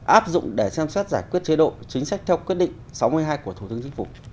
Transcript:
áp dụng để xem xét giải quyết chế độ chính sách theo quyết định sáu mươi hai của thủ tướng chính phủ